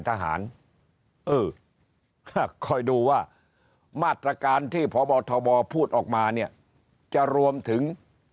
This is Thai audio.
เออคอยดูว่ามาตรการที่พบทบพูดออกมาเนี่ยจะรวมถึง